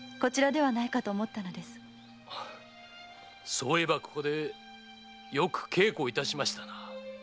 そういえばここでよく稽古をいたしましたな。